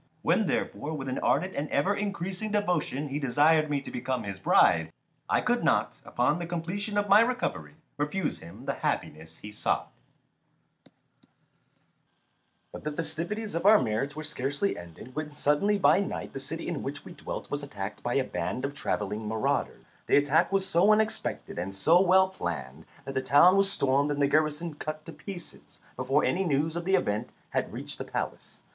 When therefore with an ardent and ever increasing devotion he desired me to become his bride, I could not, upon the completion of my recovery, refuse him the happiness he sought. [Illustration: And presently, feeling myself lifted by men's hands.] But the festivities of our marriage were scarcely ended, when suddenly by night the city in which we dwelt was attacked by a band of travelling marauders. The attack was so unexpected and so well planned that the town was stormed and the garrison cut to pieces before any news of the event had reached the palace.